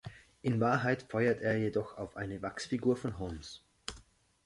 In Wahrheit feuert er jedoch auf eine Wachsfigur von Holmes.